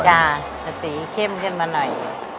จะสีเข้มขึ้นมาหน่อย